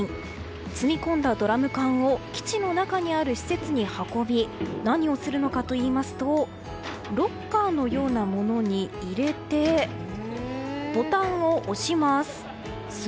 積み込んだドラム缶を基地の中にある施設に運び何をするのかといいますとロッカーのようなものに入れてボタンを押します。